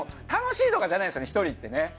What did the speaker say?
楽しいとかじゃないですよね１人ってね。